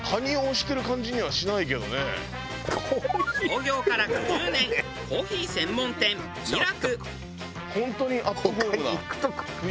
創業から５０年コーヒー専門店美楽。